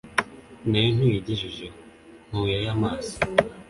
na yo ntuyigejejeho! nkuyeyo amaso